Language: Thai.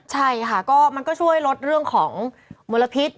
ใช่ค่ะก็มันก็ช่วยลดเรื่องของมลพิษ